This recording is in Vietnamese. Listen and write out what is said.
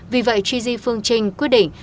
vì vậy chi di phương trinh quyết định